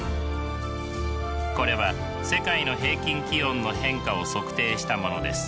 これは世界の平均気温の変化を測定したものです。